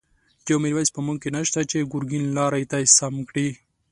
یو«میرویس» په مونږ کی نشته، چه گرگین لاری ته سم کړی